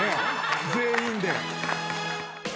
全員で。